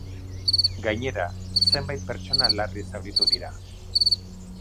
Gainera, zenbait pertsona larri zauritu dira.